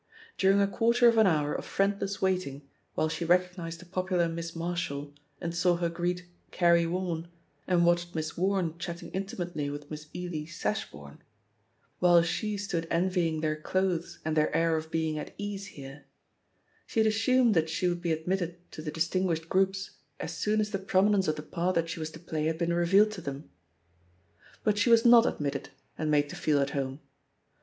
During a quarter of an hoiu: of friendless wait ing, while she recognised the popular Miss Marshall, and saw her greet Carrie Warne, and 248 THE POSITION OP PEGGY HARPER 249 ;i^atched Miss Wame chatting intimately with Miss Eley Sashboume — ^while she stood envying their clothes, and their air of being at ease here — she had assumed that she would be admitted to the distinguished groups as soon as the promi nence of the part that she was to play had been revealed to them. But she was not admitted and made to feel at home.